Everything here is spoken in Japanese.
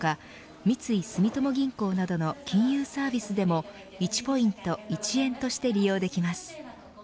三井住友銀行などの金融サービスでも１ポイント１円として利用できます。